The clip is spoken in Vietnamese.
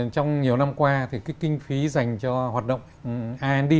trong nhiều năm qua thì cái kinh phí dành cho hoạt động ind